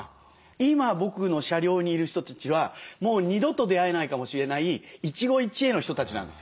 今僕の車両にいる人たちはもう２度と出会えないかもしれない一期一会の人たちなんですよ。